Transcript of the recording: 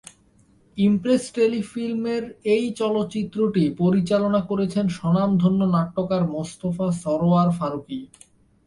Impress Telefilm এর এই চলচ্চিত্রটি পরিচালনা করেছেন স্বনামধন্য নাট্যকার মোস্তফা সরয়ার ফারুকী।